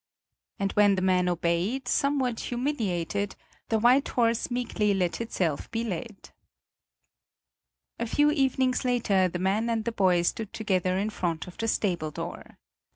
And when the man obeyed, somewhat humiliated, the white horse meekly let itself be led. A few evenings later the man and the boy stood together in front of the stable door.